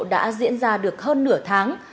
đã diễn ra được hơn nửa tháng